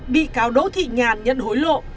bị cáo đỗ thị nhàn nhận hối lộ